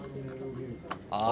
ああ。